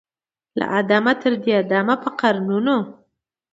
له آدمه تر دې دمه په قرنونو